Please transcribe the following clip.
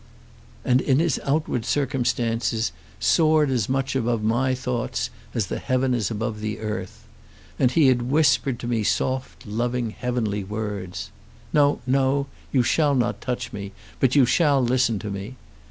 "And in his outward circumstances soared as much above my thoughts as the heaven is above the earth. And he had whispered to me soft, loving, heavenly words. No; no, you shall not touch me. But you shall listen to me.